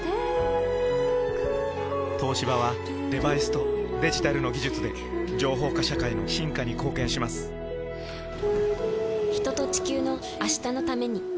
東芝はデバイスとデジタルの技術で情報化社会の進化に貢献します人と、地球の、明日のために。